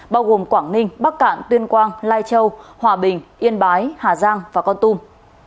bao gồm quảng ninh bắc cạn tuyên quang lai châu hòa bình yên bái hà giang và con tum